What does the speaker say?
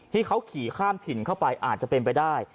ที่เขาขี่ข้ามถิ่นเข้าไปอาจจะเป็นไปได้